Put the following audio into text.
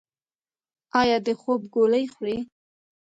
ایا د خوب ګولۍ خورئ؟